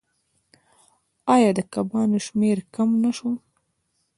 آیا د کبانو شمیر کم نشو؟